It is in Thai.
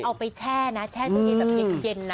เอาไปแช่นะแช่จริงจะเป็นเย็นนะ